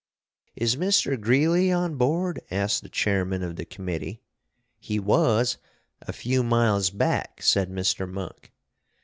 "Is Mr. Greeley on board?" asked the chairman of the committee. "He was, a few miles back!" said Mr. Monk.